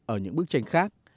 ở những bức tranh khác